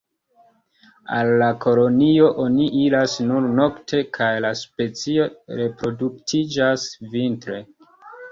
Al la kolonioj oni iras nur nokte, kaj la specio reproduktiĝas vintre.